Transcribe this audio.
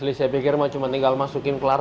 ketika mountains selesai berlaku